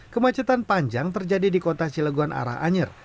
kemacetan panjang terjadi di kota cilegon arah anyer